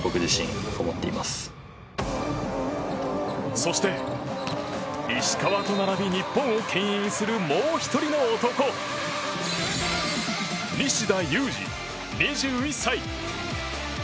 そして、石川と並び日本をけん引するもう１人の男西田有志、２１歳。